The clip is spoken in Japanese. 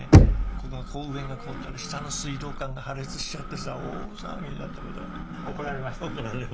ここの上が凍ったら下の水道管が破裂しちゃってさ大騒ぎになったことがある。